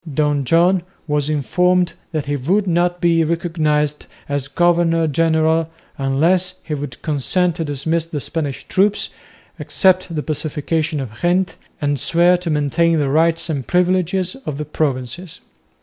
Don John was informed that he would not be recognised as governor general unless he would consent to dismiss the Spanish troops, accept the Pacification of Ghent, and swear to maintain the rights and privileges of the Provinces.